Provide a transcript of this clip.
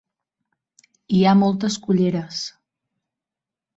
Hi ha moltes culleres.